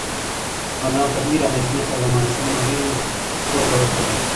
انا په ډېرې اندېښنې سره د ماشوم نریو پښو ته وکتل.